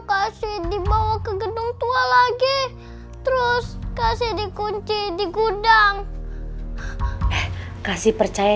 kasih dibawa ke gedung tua lagi terus kasih dikunci di gudang eh kasih percaya